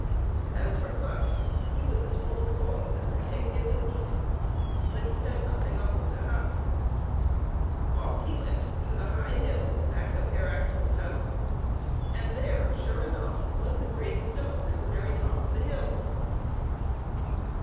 As for Claus, he was as full of thoughts as an egg is of meat, but he said nothing of them to Hans. Off he went to the high hill back of Herr Axel's house, and there, sure enough, was the great stone at the very top of the hill.